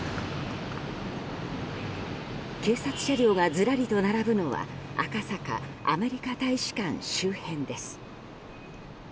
警察車両がずらりと並ぶのは赤坂アメリカ大使館周辺です。